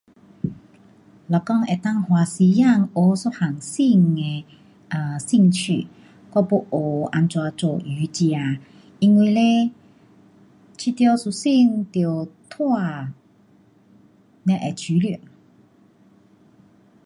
如讲能够花时间学一样新的 um 兴趣，我要学怎样做瑜伽，因为嘞觉得身体要拉才会舒服。